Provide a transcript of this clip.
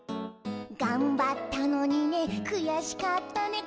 「がんばったのにねくやしかったね」